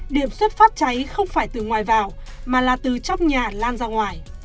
điểm xuất phát cháy không phải từ ngoài vào mà là từ trong nhà lan ra ngoài